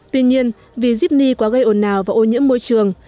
tuy nhiên vì diếpny quá gây ồn ào và ô nhiễm môi trường